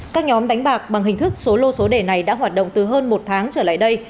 các nhóm đánh bạc bằng hình thức số lô số đề này đã hoạt động từ hơn một tháng trở lại đây